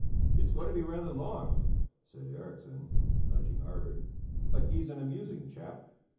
"It's going to be rather long," said Eriksson, nudging Arvid, "but he's an amusing chap."